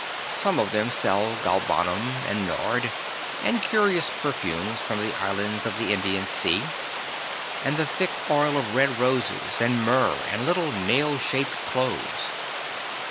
Some of them sell galbanum and nard, and curious perfumes from the islands of the Indian Sea, and the thick oil of red roses, and myrrh and little nail shaped cloves.